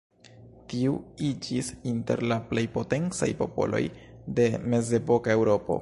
Tiu iĝis inter la plej potencaj popoloj de mezepoka Eŭropo.